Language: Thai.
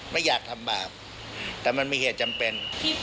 ไม่อยากทำบาปแต่มันมีเหตุจำเป็น